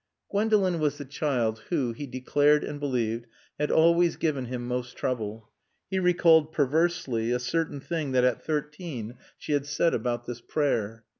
Gwendolen was the child who, he declared and believed, had always given him most trouble. He recalled (perversely) a certain thing that (at thirteen) she had said about this prayer.